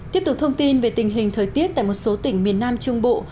tiếp tục thông tin về tình hình thời tiết tại một số tỉnh miền nam trung bộ